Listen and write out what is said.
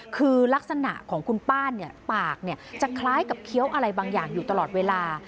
คือลักษณะของคุณป้าปากจะคล้ายกับเคี้ยวอะไรบางอย่างอยู่ตลอดเวลา